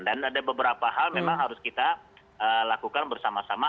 dan ada beberapa hal memang harus kita lakukan bersama sama